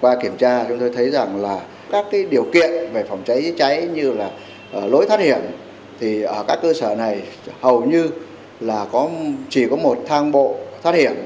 qua kiểm tra chúng tôi thấy rằng là các điều kiện về phòng cháy chữa cháy như là lối thoát hiểm thì ở các cơ sở này hầu như là chỉ có một thang bộ thoát hiểm